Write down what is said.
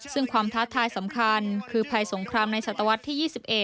ซึ่งความท้าทายสำคัญคือภัยสงครามในศตวรรษที่๒๑